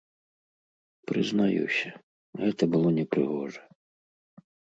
Прызнаюся, гэта было непрыгожа.